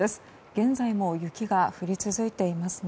現在も雪が降り続いていますね。